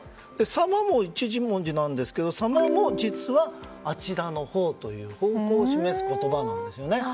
「様」も１文字なんですけど「様」も実はあちらのほうという方向を示す言葉なんですね。